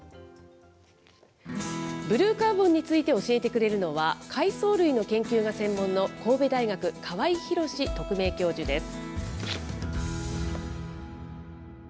ブルーカーボンについて教えてくれるのは、海藻類の研究が専門の神戸大学、川井浩史特命教授です。